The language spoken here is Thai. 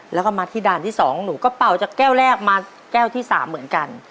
แล้วก็มาที่ด่านที่๒หนูก็เป่าจากแก้วแรกมาแก้วที่๓เหมือนกัน